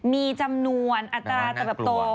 มีจำนวนอัตราเติบโตไม่ว่าน่ากลัว